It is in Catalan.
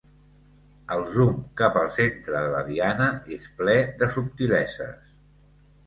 El zoom cap al centre de la diana és ple de subtileses.